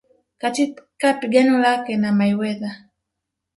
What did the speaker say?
katika pigano lake na Mayweather